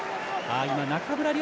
中村亮